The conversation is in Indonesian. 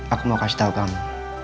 aku mau kasih tahu kamu